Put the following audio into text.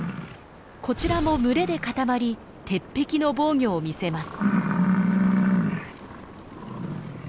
こちらも群れで固まり鉄壁の防御を見せます。